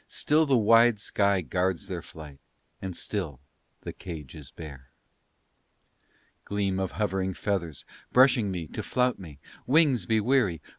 Still the wide sky guards their flight, and still the cage is bare. Gleam of hovering feathers, brushing me to flout me! Wings, be weary!